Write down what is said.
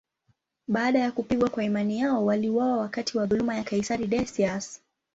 Baada ya kupigwa kwa imani yao, waliuawa wakati wa dhuluma ya kaisari Decius.